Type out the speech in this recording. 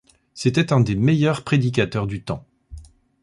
C'était un des meilleurs prédicateurs du temps.